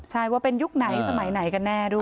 ใช่ว่าเป็นยุคไหนสมัยไหนกันแน่ด้วย